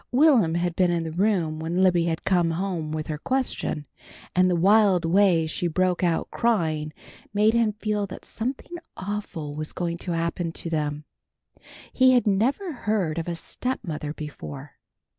Will'm had been in the room when Libby came home with her question, and the wild way she broke out crying made him feel that something awful was going to happen to them. He had never heard of a stepmother before.